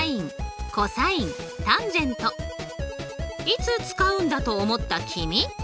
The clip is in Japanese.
いつ使うんだと思った君！